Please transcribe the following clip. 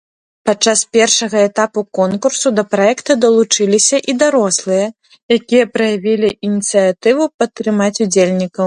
Падчас першага этапу конкурсу да праекта далучыліся і дарослыя, якія праявілі ініцыятыву падтрымаць удзельнікаў.